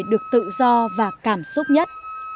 được tự do và cảm xúc nhất